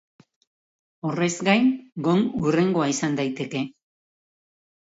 Horrez gain, Gong hurrengoa izan daiteke.